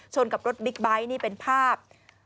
กับรถบิ๊กไบท์นี่เป็นภาพ